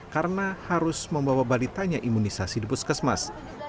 karena harus membawa balitanya imunisasi di puskesmas